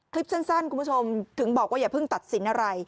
คลิปสั้นคุณผู้ชมถึงบอกว่าอย่าเพิ่งตัดสินอะไร